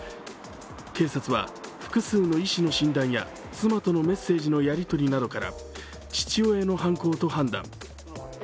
警察は、複数の医師の診断や妻とのメッセージのやり取りなどから父親の犯行と判断。